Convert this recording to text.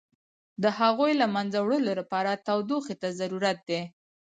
د هغوی له منځه وړلو لپاره تودوخې ته ضرورت دی.